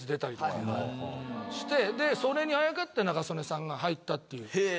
それにあやかって中曽根さんが入ったっていう。